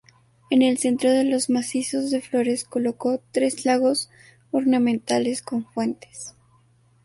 En el centro de los macizos de flores colocó tres lagos ornamentales con fuentes.